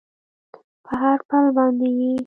په هر پل باندې یې